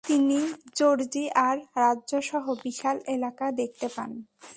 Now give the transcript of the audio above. তিনি জর্জিয়ার রাজ্য সহ বিশাল এলাকা দেখতে পান।